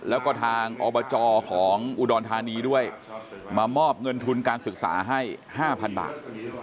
แล้วก็ทางอบจของอุดรธานีด้วยมามอบเงินทุนการศึกษาให้๕๐๐๐บาท